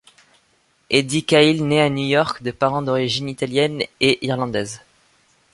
Eddie Cahill naît à New York de parents d'origines italiennes et irlandaises.